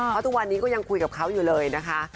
เพราะทุกวันนี้ก็ยังคุยกับเขาอยู่เลยนะคะ